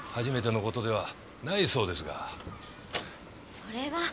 それは。